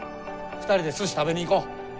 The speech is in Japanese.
２人ですし食べに行こう。